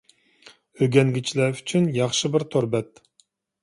ئۆگەنگۈچىلەر ئۈچۈن ياخشى بىر تور بەت.